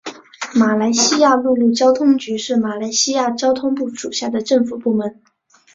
马来西亚陆路交通局是马来西亚交通部属下的政府部门。